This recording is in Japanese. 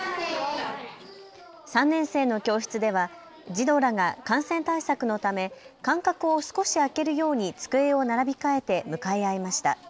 ３年生の教室では児童らが感染対策のため間隔を少し空けるように机を並び替えて向かい合いました。